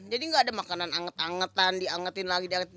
jadi nggak ada makanan anget angetan diangetin lagi diangetin